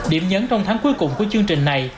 điểm nhấn trong tháng cuối cùng của chương trình này